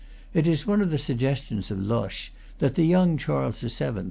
It is one of the suggestions of Loches that the young Charles VII.